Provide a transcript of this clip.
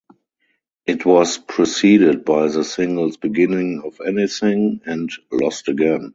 It was preceded by the singles "Beginning of Anything" and "Lost Again".